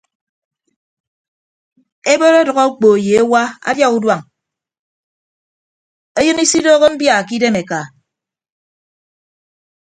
Ebot ọdʌk okpo ye ewa adia uduañ eyịn isidooho mbia ke idem eka.